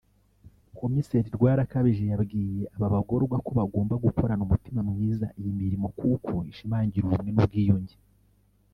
Komiseri Rwarakabije yabwiye aba bagororwa ko bagomba gukorana umutima mwiza iyi mirimo kuko ishimangira ubumwe n’ubwiyunge